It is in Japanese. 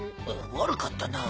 悪かったな。